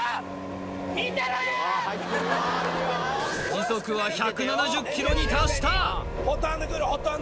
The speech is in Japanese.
時速は１７０ｋｍに達した！